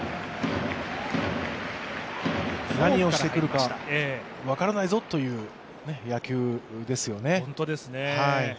何をしてくるか分からないぞという野球ですよね。